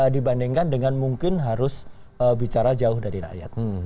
dibandingkan dengan mungkin harus bicara jauh dari rakyat